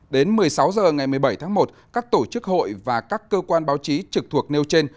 đến một mươi sáu h ngày một mươi bảy tháng một các tổ chức hội và các cơ quan báo chí trực thuộc nêu trên